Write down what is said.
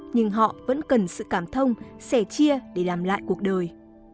nhưng họ vẫn cần sự cảm thông sẻ chia để làm lại cuộc đời